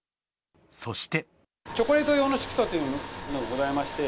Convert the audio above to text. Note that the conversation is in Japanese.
そして。